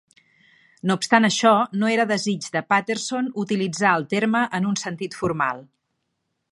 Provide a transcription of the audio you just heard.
No obstant això, no era desig de Patterson utilitzar el terme en un sentit formal.